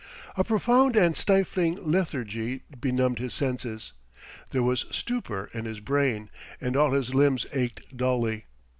A profound and stifling lethargy benumbed his senses. There was stupor in his brain, and all his limbs ached dully.